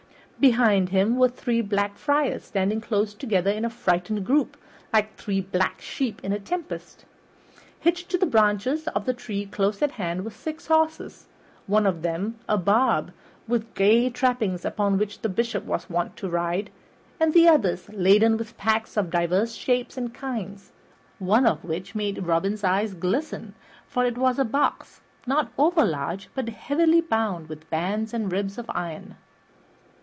Behind him were three Black Friars standing close together in a frightened group, like three black sheep in a tempest. Hitched to the branches of the trees close at hand were six horses, one of them a barb with gay trappings upon which the Bishop was wont to ride, and the others laden with packs of divers shapes and kinds, one of which made Robin's eyes glisten, for it was a box not overlarge, but heavily bound with bands and ribs of iron.